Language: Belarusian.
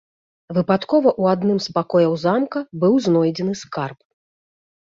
Выпадкова ў адным з пакояў замка быў знойдзены скарб.